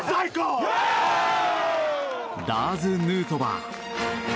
ラーズ・ヌートバー。